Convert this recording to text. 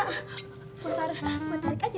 apalagi aku ini